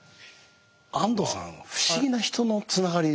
安藤さんは不思議な人のつながり。